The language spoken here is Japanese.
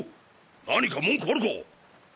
何か文句あるか！？